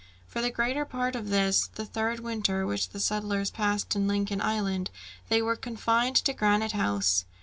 For the greater part of this, the third winter which the settlers passed in Lincoln Island, they were confined to Granite House.